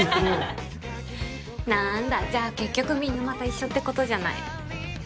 なーんだじゃあ結局みんなまた一緒ってことじゃない。